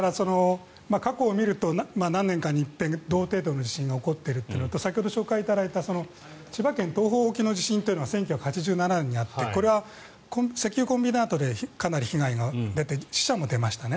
過去を見ると、何年かに一遍同程度の地震が起きているのと先ほど紹介いただいた千葉県東方沖の地震というのは１９８７年にあってこれは石油コンビナートでかなり被害が出て死者も出ましたね。